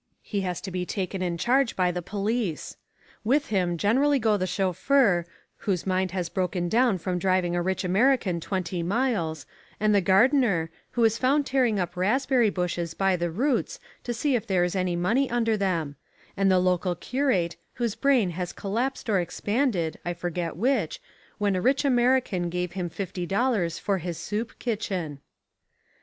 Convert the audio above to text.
He has to be taken in charge by the police. With him generally go the chauffeur, whose mind has broken down from driving a rich American twenty miles; and the gardener, who is found tearing up raspberry bushes by the roots to see if there is any money under them; and the local curate whose brain has collapsed or expanded, I forget which, when a rich American gave him fifty dollars for his soup kitchen.